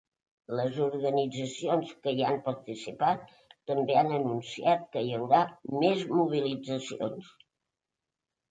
Les organitzacions que hi han participat també han anunciat que hi haurà més mobilitzacions.